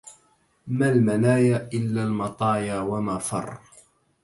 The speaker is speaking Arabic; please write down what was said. ما المنايا إلا المطايا وما فر